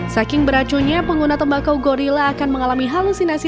saking beracunya pengguna tembakau gorilla akan mengalami halusinasi